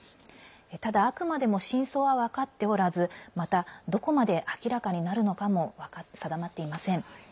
ただ、あくまでも真相は分かっておらずまた、どこまで明らかになるかも定まっていません。